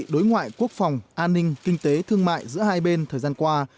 đối ngoại quốc phòng an ninh kinh tế thương mại giữa hai bên thời gian qua